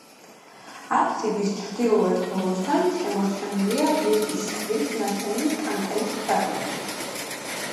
აფსიდის ჩრდილოეთ ბოლოსთან შემორჩენილია რიყის ქვით ნაშენი კანკელის ფრაგმენტი.